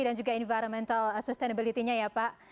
dan juga environmental sustainability nya ya pak